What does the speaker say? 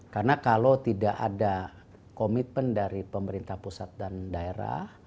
karena kalau tidak ada commitment dari pemerintah pusat dan daerah